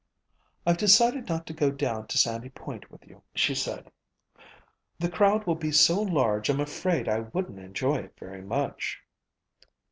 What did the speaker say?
"I've decided not to go down to Sandy Point with you," she said. "The crowd will be so large I'm afraid I wouldn't enjoy it very much."